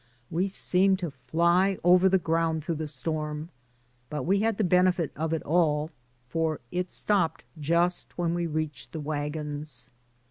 We seemed to fly over the ground through the storm, but we had the benefit of it all, for it stopped just when we reached the wagons.